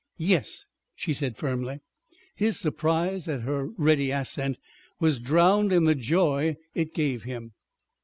"Yes," she said firmly. His surprise at her ready assent was drowned in the joy it gave him.